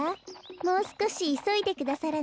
もうすこしいそいでくださらない？